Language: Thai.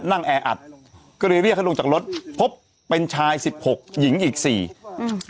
แออัดก็เลยเรียกให้ลงจากรถพบเป็นชายสิบหกหญิงอีกสี่อืม